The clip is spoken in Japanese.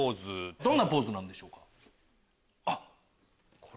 どんなポーズなんでしょうか？